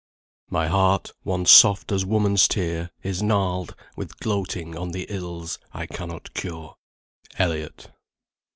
"My heart, once soft as woman's tear, is gnarled With gloating on the ills I cannot cure." ELLIOTT.